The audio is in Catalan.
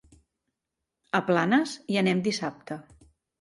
A Planes hi anem dissabte.